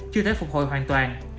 chưa thể phục hồi hoàn toàn